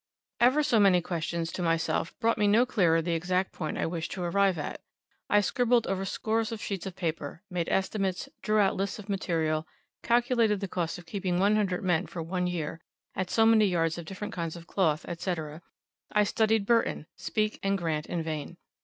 Ever so many questions to myself brought me no clearer the exact point I wished to arrive at. I scribbled over scores of sheets of paper, made estimates, drew out lists of material, calculated the cost of keeping one hundred men for one year, at so many yards of different kinds of cloth, etc. I studied Burton, Speke, and Grant in vain.